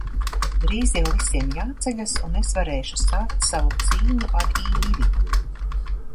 Drīz jau visiem jāceļas un es varēšu sākt savu cīņu ar Īvi.